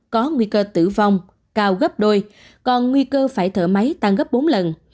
có nguy cơ tử vong cao gấp đôi còn nguy cơ phải thở máy tăng gấp bốn lần